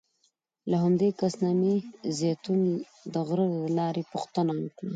له همدې کس نه مې د زیتون د غره د لارې پوښتنه وکړه.